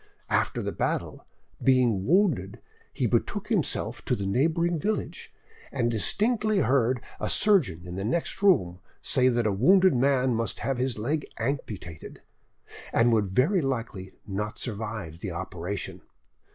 After the battle, being wounded, he betook himself to the neighbouring village, and distinctly heard a surgeon in the next room say that a wounded man must have his leg amputated, and would very likely not survive the operation.